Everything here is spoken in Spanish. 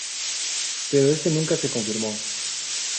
Pero este nunca se confirmó.